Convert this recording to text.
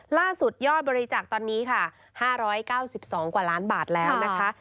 ล่าสุดยอดบริจาคตอนนี้ค่ะ๕๙๒กว่าล้านบาทแล้วนะคะ